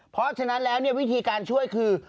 เพราะฉะนั้นแล้ววิธีการช่วยคือ